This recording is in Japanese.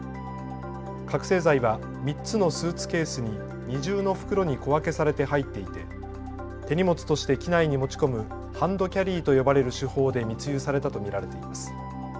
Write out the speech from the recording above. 覚醒剤は３つのスーツケースに二重の袋に小分けされて入っていて手荷物として機内に持ち込むハンドキャリーと呼ばれる手法で密輸されたと見られています。